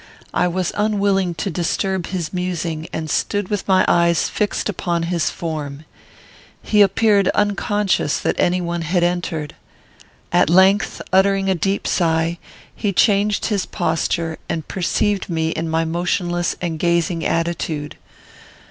I was unwilling to disturb his musing, and stood with my eyes fixed upon his form. He appeared unconscious that any one had entered. At length, uttering a deep sigh, he changed his posture, and perceived me in my motionless and gazing attitude.